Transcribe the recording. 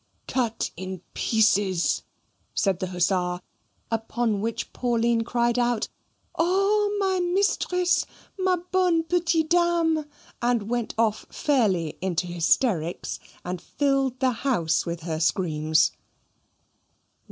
"Cut in pieces," said the hussar upon which Pauline cried out, "O my mistress, ma bonne petite dame," went off fairly into hysterics, and filled the house with her screams.